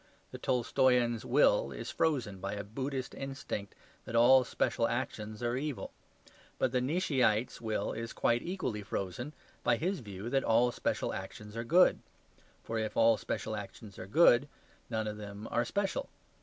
The Tolstoyan's will is frozen by a Buddhist instinct that all special actions are evil. But the Nietzscheite's will is quite equally frozen by his view that all special actions are good; for if all special actions are good, none of them are special.